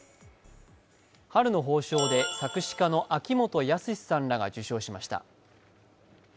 春の褒章で作詩家の秋元康さんらが受章しました。